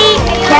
ya pilih butet ya